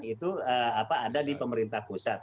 itu ada di pemerintah pusat